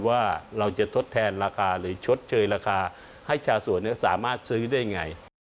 ว่าเราจะทดแทนราคาหรือชดเชยราคาให้ชาวสวนสามารถซื้อได้ไง